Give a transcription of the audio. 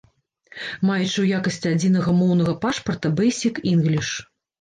Маючы ў якасці адзінага моўнага пашпарта бэйсік-інгліш.